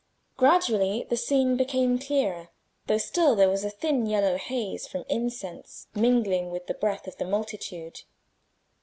Gradually the scene became clearer, though still there was a thin yellow haze from incense mingling with the breath of the multitude.